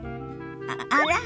あら？